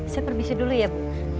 saya perbisa dulu ya bu